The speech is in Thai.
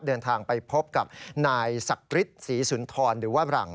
เดินทางไปพบกับนายศักดิ์ฤทธิ์ศรีสุนทรหรือว่าหลัง